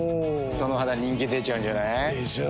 その肌人気出ちゃうんじゃない？でしょう。